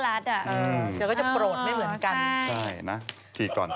เราก็จะโปรดให้เหมือนกันใช่นะขี้ก่อน